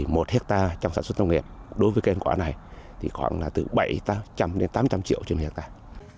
một hectare trong sản xuất nông nghiệp đối với kênh quả này khoảng từ bảy trăm linh tám trăm linh triệu trên hectare